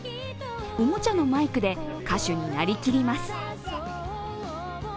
おもちゃのマイクで歌手になりきります。